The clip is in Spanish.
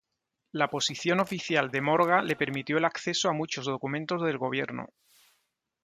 La posición oficial de Morga le permitió el acceso a muchos documentos del gobierno.